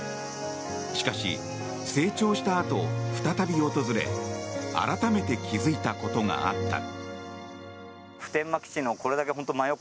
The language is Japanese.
しかし成長したあと再び訪れ改めて気づいたことがあった。